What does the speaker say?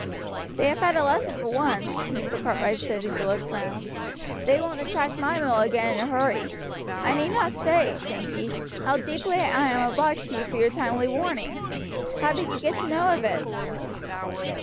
"They have had a lesson for once," Mr. Cartwright said as he looked round, "they won't attack my mill again in a hurry. I need not say, Sankey, how deeply I am obliged to you for your timely warning. How did you get to know of it?"